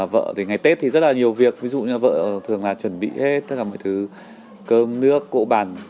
vợ thì ngày tết thì rất là nhiều việc ví dụ như vợ thường là chuẩn bị hết tất cả mọi thứ cơm nước cỗ bàn